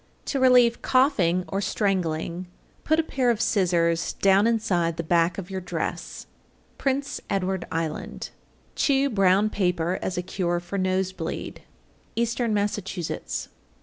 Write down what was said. To relieve coughing or strangling, put a pair of scissors down inside the back of your dress. Prince Edward Island. 855. Chew brown paper as a cure for nose bleed. _Eastern Massachusetts.